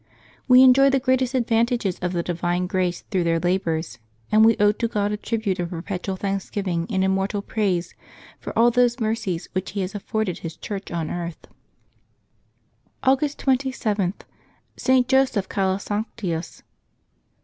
We enjoy the greatest advantages of the divine grace through their labors, and we owe to God a tribute of perpetual thanksgiving and immortal praise for all those mercies which He has afforded His Church on earth. August 27.— ST. JOSEPH CALASANCTIUS.